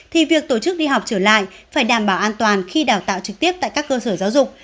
thì việc tổ chức đi học trở lại phải đảm bảo an toàn khi đào tạo trực tiếp tại các cơ sở giáo dục